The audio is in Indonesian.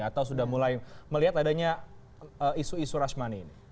atau sudah mulai melihat adanya isu isu rashmani ini